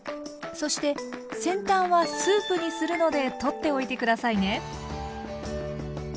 そして先端はスープにするので取っておいて下さいね。